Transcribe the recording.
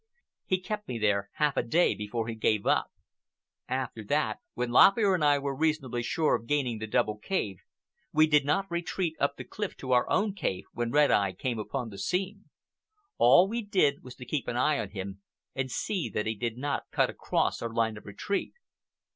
He kept me there half a day before he gave up. After that, when Lop Ear and I were reasonably sure of gaining the double cave, we did not retreat up the cliff to our own cave when Red Eye came upon the scene. All we did was to keep an eye on him and see that he did not cut across our line of retreat.